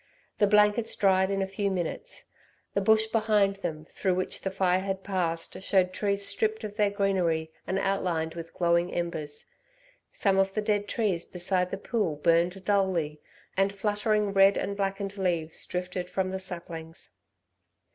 The blankets dried in a few minutes. The bush behind them through which the fire had passed showed trees stripped of their greenery and outlined with glowing embers. Some of the dead trees beside the pool burned dully, and fluttering red and blackened leaves drifted from the saplings.